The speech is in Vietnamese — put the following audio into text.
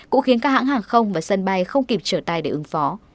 cũng khiến các hãng hàng không và sân bay không kịp trở tay để ứng phó